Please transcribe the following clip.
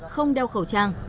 không đeo khẩu trang